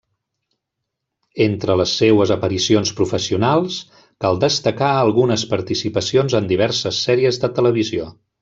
Entre les seues aparicions professionals cal destacar algunes participacions en diverses sèries de televisió.